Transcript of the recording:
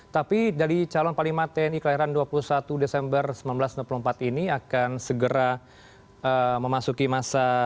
tapi dari calon panglima tni kelahiran dua puluh satu desember seribu sembilan ratus enam puluh empat ini akan segera memasuki masa